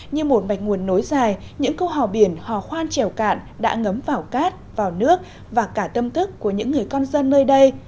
như một mạch nguồn nối dài những câu hò biển hò khoan trèo cạn đã ngấm vào cát vào nước và cả tâm thức của những người con dân nơi đây